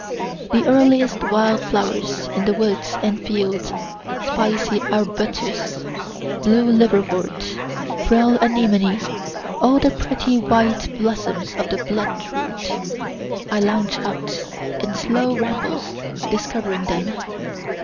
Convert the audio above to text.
The earliest wild flowers in the woods and fields, spicy arbutus, blue liverwort, frail anemone, and the pretty white blossoms of the bloodroot. I launch out in slow rambles, discovering them.